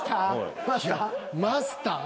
「マスター」。